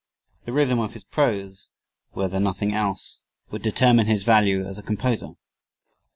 The rhythm of his prose, were there nothing else, would determine his value as a composer.